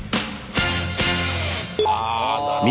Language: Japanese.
ああなるほど。